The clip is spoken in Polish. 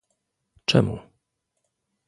Czemu